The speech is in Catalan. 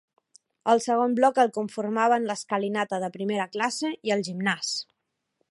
El segon bloc el conformaven l'escalinata de primera classe i el gimnàs.